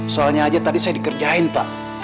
soalnya aja tadi saya dikerjain pak